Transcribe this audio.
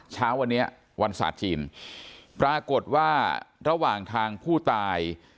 เช้าวันนี้วันศาสตร์จีนปรากฏว่าระหว่างทางผู้ตาย